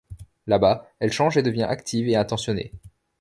Là-bas, elle change et devient active et attentionnée.